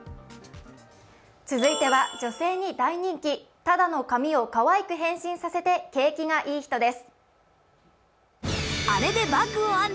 続いては女性に大人気、ただの紙をかわいく変身させて景気がイイ人です。